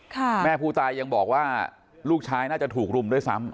แม่ผู้ตายยังบอกว่าลูกชายน่าจะถูกรุมด้วยซ้ำ